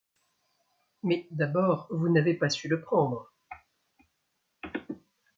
Mais, d’abord, vous n’avez pas su le prendre !